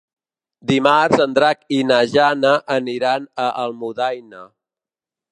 Dimarts en Drac i na Jana aniran a Almudaina.